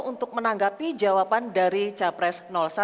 untuk menanggapi jawaban dari capres satu